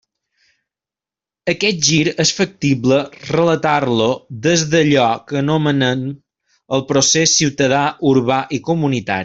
Aquest gir és factible relatar-lo des d'allò que anomenem el procés ciutadà, urbà i comunitari.